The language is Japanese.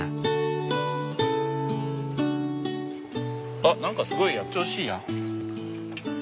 あっ何かすごいやん調子いいやん。